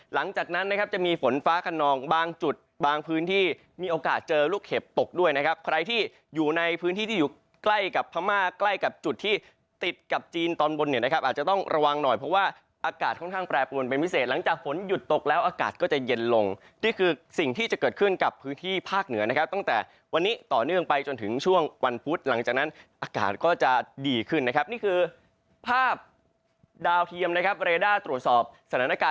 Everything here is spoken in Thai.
หลังจากนั้นนะครับจะมีฝนฟ้าคันนองบางจุดบางพื้นที่มีโอกาสเจอลูกเห็บตกด้วยนะครับใครที่อยู่ในพื้นที่ที่อยู่ใกล้กับพม่าใกล้กับจุดที่ติดกับจีนตอนบนเนี่ยนะครับอาจจะต้องระวังหน่อยเพราะว่าอากาศค่อนข้างแปรผลเป็นพิเศษหลังจากฝนหยุดตกแล้วอากาศก็จะเย็นลงที่คือสิ่งที่จะเกิดข